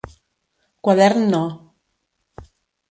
Quadern no.